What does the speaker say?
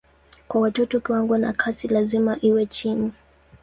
Kwa watoto kiwango na kasi lazima iwe chini.